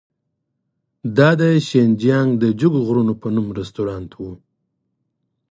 دا د شینجیانګ د جګو غرونو په نوم رستورانت و.